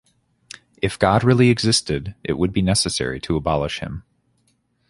If God really existed, it would be necessary to abolish him.